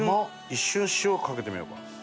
一瞬塩かけてみようかな。